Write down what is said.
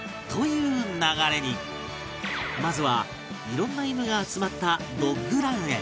まずはいろんな犬が集まったドッグランへ